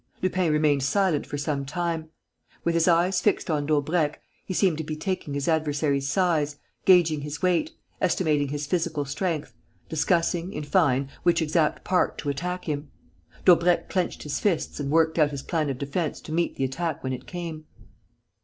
Lupin remained silent for some time. With his eyes fixed on Daubrecq, he seemed to be taking his adversary's size, gauging his weight, estimating his physical strength, discussing, in fine, in which exact part to attack him. Daubrecq clenched his fists and worked out his plan of defence to meet the attack when it came.